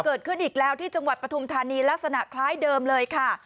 เกิดขึ้นอีกแล้วที่จังหวัดปฐุมธานีลักษณะคล้ายเดิมเลยค่ะ